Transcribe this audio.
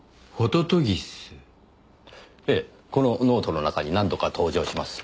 ええこのノートの中に何度か登場します。